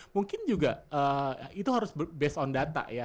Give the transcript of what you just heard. mungkin juga itu harus based on data ya